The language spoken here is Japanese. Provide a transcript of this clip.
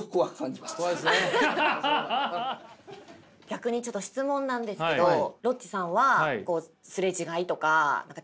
逆にちょっと質問なんですけどロッチさんはすれ違いとか違うこととか。